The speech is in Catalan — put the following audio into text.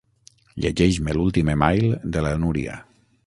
Llegeix-me l'últim email de la Núria.